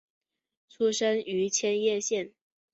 出身于千叶县。